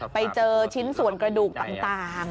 ไปเจอชิ้นส่วนกระดูกต่าง